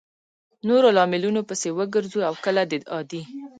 نورو لاملونو پسې وګرځو او کله د عادي